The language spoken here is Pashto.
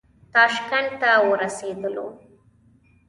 تاشکند ته ورسېدلو.